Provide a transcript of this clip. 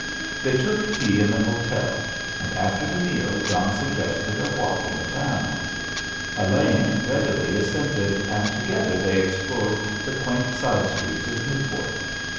They took tea in the hotel, and after the meal John suggested a walk in the town. Elaine readily assented, and together they explored the quaint side streets of Newport.